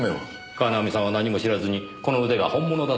川南さんは何も知らずにこの腕が本物だと信じていたから。